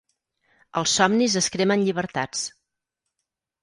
Als somnis es cremen llibertats.